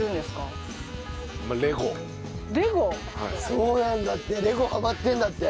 そうなんだって！